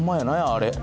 あれ。